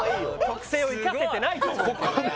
特性を生かせてないと思うけどな